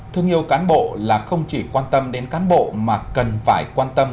thương yêu cán bộ là không chỉ quan tâm đến cán bộ mà cần phải quan tâm